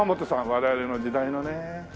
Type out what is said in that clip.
我々の時代のね。